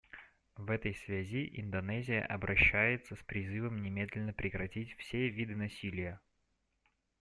В этой связи Индонезия обращается с призывом немедленно прекратить все виды насилия.